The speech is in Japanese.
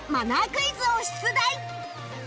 クイズを出題！